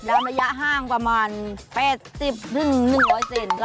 ดามระยะห้างประมาณ๘๐รึ๑๐๐เซน